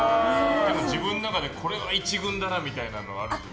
自分の中で、これは１軍だなみたいなのはあるんですか？